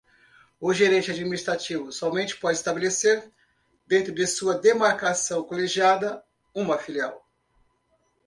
O gerente administrativo somente pode estabelecer, dentro de sua demarcação colegiada, uma filial.